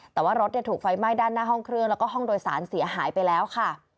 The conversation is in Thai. แต่ว่ารถถูกไฟไหม้ด้านหน้าห้องเครื่องแล้วก็ห้องโดยสารเสียหายไปแล้วค่ะ